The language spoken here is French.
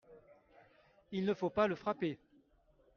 Il ne faut pas le frapper.